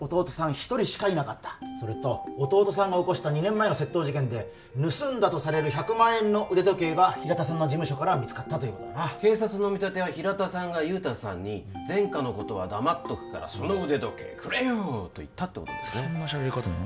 一人しかいなかったそれと弟さんが起こした２年前の窃盗事件で盗んだとされる１００万円の腕時計が平田さんの事務所から見つかった警察の見立ては平田さんが雄太さんに前科のことは黙っとくからその腕時計くれよと言ったとそんな喋り方なの？